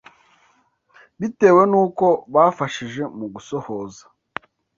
bitewe n’uko bafashije mu gusohoza